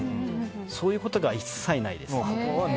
そういうことが一切ないです。